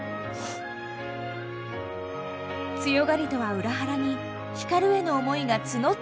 強がりとは裏腹に光への思いが募っていく沙織。